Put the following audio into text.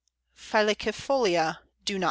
phylicifolia_ do not.